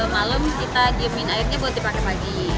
malam kita diemin airnya buat dipakai pagi